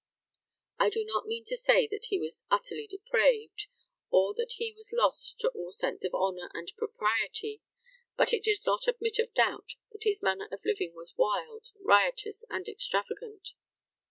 I do not mean to say that he was utterly depraved, or that he was lost to all sense of honour and propriety; but it does not admit of doubt that his manner of living was wild, riotous, and extravagant.